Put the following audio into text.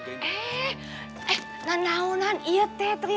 eh eh nan naonan iya teh teriak teriak